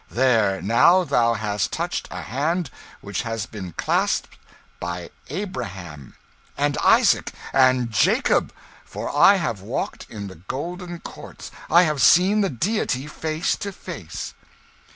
There now thou hast touched a hand which has been clasped by Abraham and Isaac and Jacob! For I have walked in the golden courts; I have seen the Deity face to face!"